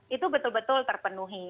itu betul betul terpenuhi